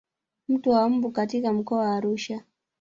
Mto wa mbu katika mkoa wa Arusha